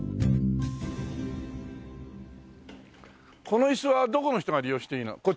この椅子はどこの人が利用していいの？